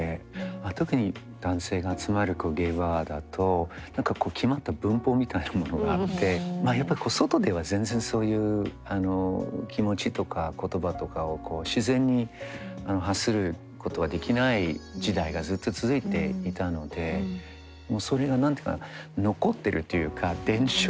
特に男性が集まるゲイバーだと何か決まった文法みたいなものがあってまあやっぱり外では全然そういう気持ちとか言葉とかを自然に発することはできない時代がずっと続いていたのでもうそれが何て言うか残ってるというか伝承